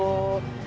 bisa main rame gitu